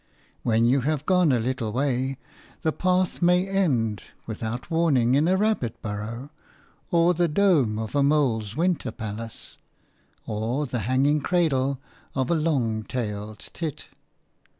When you have gone a little way, the path may end without warning in a rabbit burrow, or the dome of a mole's winter palace, or the hanging cradle of a long tailed tit.